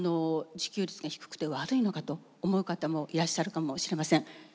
自給率が低くて悪いのかと思う方もいらっしゃるかもしれません。